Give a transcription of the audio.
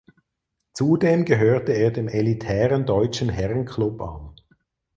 Zudem gehörte er dem elitären Deutschen Herrenklub an.